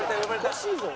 「おかしいぞお前」